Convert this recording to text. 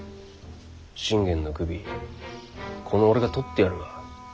信玄の首この俺がとってやるわ。